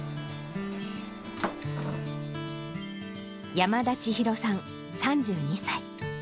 山田千紘さん３２歳。